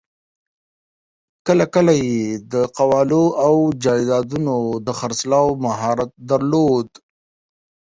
کله کله یې د قوالو او جایدادونو د خرڅلاوو مهارت درلود.